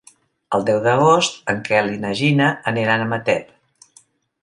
El deu d'agost en Quel i na Gina aniran a Matet.